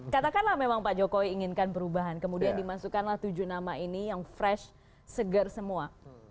katakanlah memang pak jokowi inginkan perubahan kemudian dimasukkanlah tujuh nama ini yang fresh seger semua